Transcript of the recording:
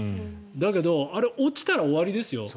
だけどあれ、落ちたら終わりですよ。